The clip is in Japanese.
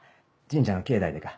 神社の境内でか？